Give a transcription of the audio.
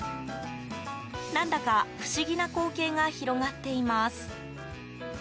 何だか不思議な光景が広がっています。